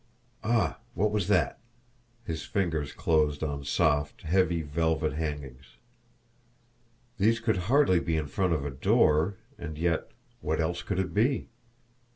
Ah, what was that? His fingers closed on soft, heavy velvet hangings. These could hardly be in front of a door, and yet what else could it be?